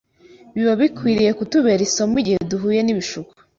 biba bikwiriye kutubera isomo igihe duhuye n’ibishuko.